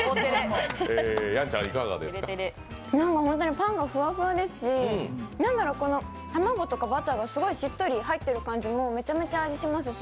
パンがふわふわですし卵とかバターがすごいしっとり入ってる感じもめちゃめちゃ味しますし